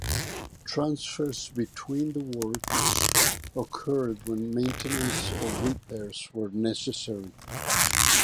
Transfers between the works occurred when maintenance or repairs were necessary.